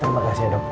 terima kasih ya dok